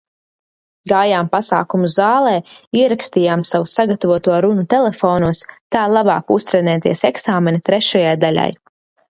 Gājām pasākumu zālē, ierakstījām savu sagatavoto runu telefonos, tā labāk uztrenēties eksāmena trešajai daļai.